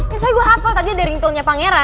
ya soalnya gue hafal tadi ada ringtone nya pangeran